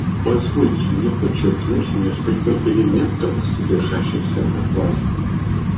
Позвольте мне подчеркнуть несколько элементов, содержащихся в докладе.